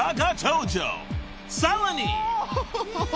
［さらに］